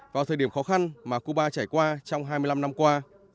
vào thời điểm khó khăn mà cuba trải qua trong hai mươi năm năm qua